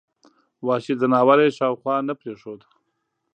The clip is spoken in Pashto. وحشي ځناور یې شاوخوا نه پرېښود.